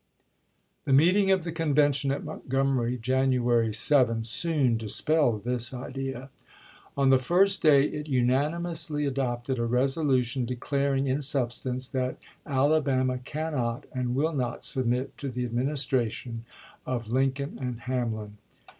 The meeting of the convention at Montgomery, i86i. January 7, soon dispelled this idea. On the first day it unanimously adopted a resolution declaring in substance that "Alabama cannot and will not submit to the Administration of Lincoln and Ham lin."